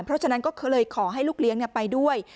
เพราะฉะนั้นก็เลยขอให้ลูกเลี้ยงไปด้วย